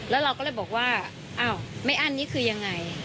แล้วเราก็เลยบอกว่าอ้าวไม่อั้นนี่คือยังไง